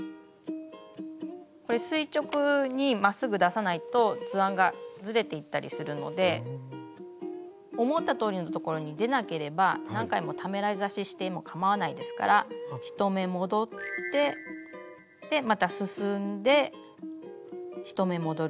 これ垂直にまっすぐ出さないと図案がずれていったりするので思ったとおりのところに出なければ何回もためらい刺ししてもかまわないですから１目戻ってまた進んで１目戻る。